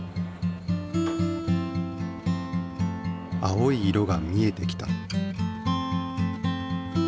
青い色が見えてきた。